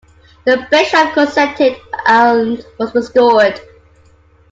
The bishop consented, and was restored.